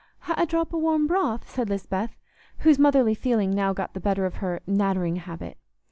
"Ha' a drop o' warm broth?" said Lisbeth, whose motherly feeling now got the better of her "nattering" habit.